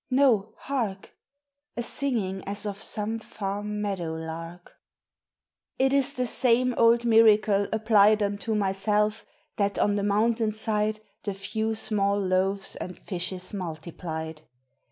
No, hark! A singing as of some far meadow lark. It is the same old miracle applied Unto myself, that on the mountain side The few small loaves and fishes multiplied.